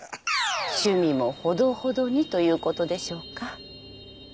趣味もほどほどにということでしょうか。